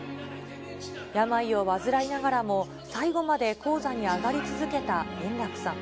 病を患いながらも、最後まで高座に上がり続けた円楽さん。